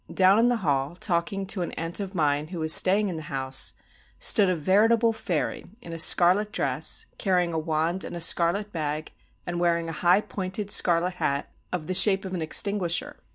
Down in the hall, talking to an aunt of mine who was staying in the house, stood a veritable fairy, in a scarlet dress, carrying a wand and a scarlet bag, and wearing a high pointed scarlet hat, of the shape of an extinguisher.